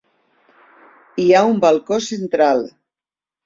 Hi ha un balcó central.